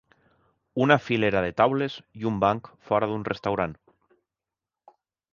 Una filera de taules i un banc fora d'un restaurant